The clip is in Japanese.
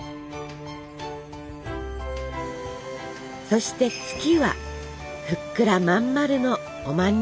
そして「月」はふっくらまん丸のおまんじゅう。